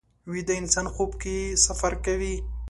ویده انسان خوب کې سفر کوي